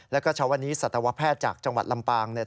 แล้วก็เช้าวันนี้สัตวแพทย์จากจังหวัดลำปางเนี่ย